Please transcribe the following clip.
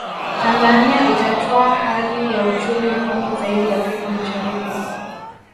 Tanzania itatwaa hadhi ya uchumi mkubwa zaidi Afrika Mashariki